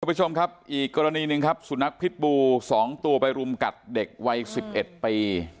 ผู้ชมครับอีกกรณีหนึ่งครับสุนัขพิษบู๒ตัวไปรุมกัดเด็กวัย๑๑ปี